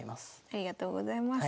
ありがとうございます。